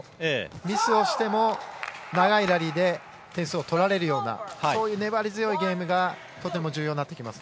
ミスをしても長いラリーで点数を取られるようなそういう粘り強いゲームがとても重要になってきます。